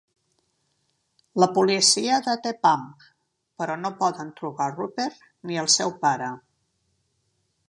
La policia deté Pam, però no poden trobar Rupert ni el seu pare.